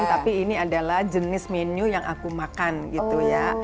tapi ini adalah jenis menu yang aku makan gitu ya